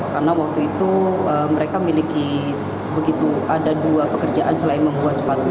karena waktu itu mereka memiliki begitu ada dua pekerjaan selain membuat sepatu